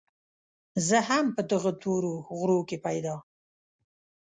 زه هم په دغه تورو غرو کې پيدا